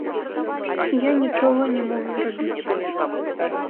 Я нічога не мог зрабіць.